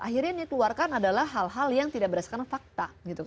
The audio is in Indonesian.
akhirnya yang dikeluarkan adalah hal hal yang tidak berdasarkan fakta